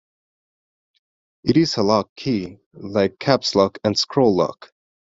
It is a lock key, like Caps Lock and Scroll Lock.